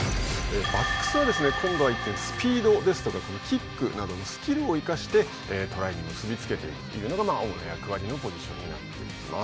バックスはですね今度は一転スピードですとかキックなどのスキルを生かしてトライに結び付けていくというのが主な役割のポジションになっています。